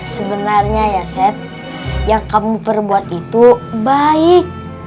sebenarnya ya set yang kamu perbuat itu baik